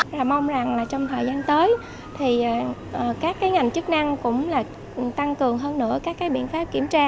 là mong rằng trong thời gian tới các ngành chức năng cũng tăng cường hơn nữa các biện pháp kiểm tra